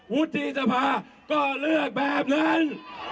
วุฒิสภาก็เลือกแบบนั้น